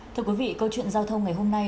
thưa quý vị câu chuyện giao thông ngày hôm nay